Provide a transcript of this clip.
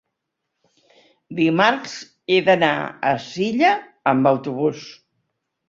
Dimarts he d'anar a Silla amb autobús.